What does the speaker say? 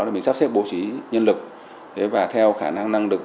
để mình sắp xếp bố trí nhân lực và theo khả năng năng lực